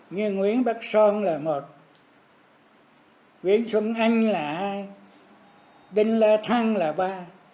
nghe nguyễn bắc son là một nguyễn xuân anh là hai đinh lê thăng là ba